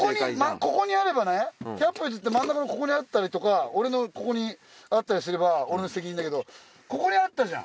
ここにあればね百歩譲って真ん中のここにあったりとか俺のここにあったりすれば俺の責任だけどここにあったじゃん。